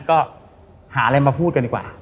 ก็หาอะไรมาพูดกันดีกว่า